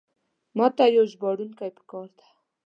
ماته یو ژباړونکی پکار ده.